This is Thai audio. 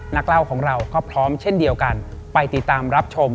นักเล่าของเราก็พร้อมเช่นเดียวกันไปติดตามรับชม